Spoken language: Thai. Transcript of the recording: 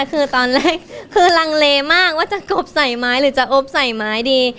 คือตอนแรกคือลังเลมากว่าจะกบใส่ไม้หรือจะอบใส่ไม้ดี